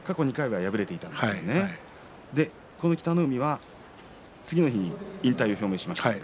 これで北の湖は次の日に引退を表明しました。